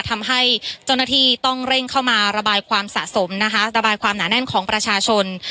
ทำให้เจ้าหน้าที่ต้องเร่งเข้ามาระบายความสะสมนะคะระบายความหนาแน่นของประชาชน